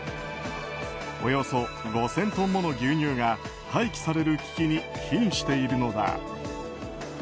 およそ５０００トンもの牛乳が廃棄される危機に瀕しているのだ。